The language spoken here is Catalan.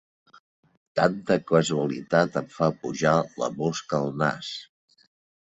Tanta casualitat em fa pujar la mosca al nas.